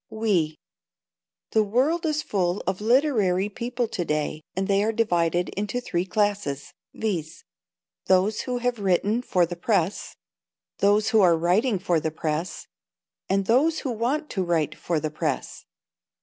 "We." The world is full of literary people to day, and they are divided into three classes, viz: Those who have written for the press, those who are writing for the press, and those who want to write for the press.